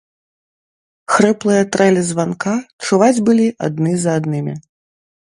Хрыплыя трэлі званка чуваць былі адны за аднымі.